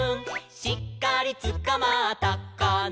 「しっかりつかまったかな」